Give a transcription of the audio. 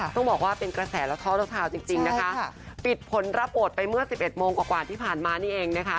ต้องบอกว่าเป็นกระแสแล้วท้อแล้วทาวน์จริงนะคะปิดผลรับโอดไปเมื่อ๑๑โมงกว่าที่ผ่านมานี่เองนะคะ